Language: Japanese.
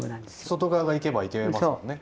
外側がいけばいけますもんね。